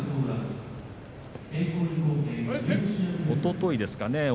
おとといですかね